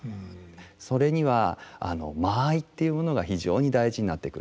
それには間合いというものが非常に大事になってくるんですね。